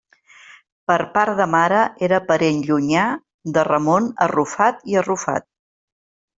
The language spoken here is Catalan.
Per part de mare era parent llunyà de Ramon Arrufat i Arrufat.